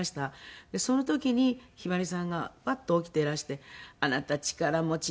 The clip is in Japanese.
その時にひばりさんがパッと起きていらして「あなた力持ちね」